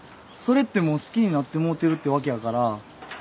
それってもう好きになってもうてるってわけやから。